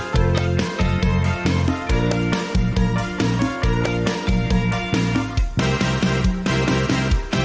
โปรดติดตามต่อไป